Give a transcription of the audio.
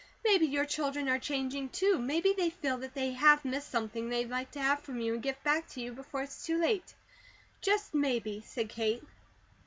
Maybe your children are changing, too. Maybe they feel that they have missed something they'd like to have from you, and give back to you, before it's too late. Just maybe," said Kate.